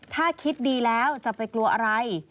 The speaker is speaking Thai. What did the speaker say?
ถ้าคิดดีแล้วจะไปกลัวอะไร